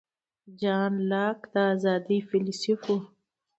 جان لاک د آزادۍ فیلیسوف و.